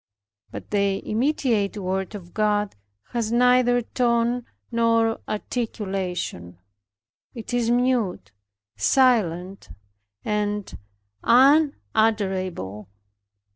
But the immediate word of God has neither tone nor articulation. It is mute, silent, and unutterable.